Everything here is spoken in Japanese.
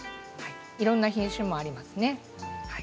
いろんな品種もありますね。